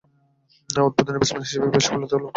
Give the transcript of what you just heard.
উদ্বোধনী ব্যাটসম্যান হিসেবে তিনি বেশ সফলতা লাভ করেন।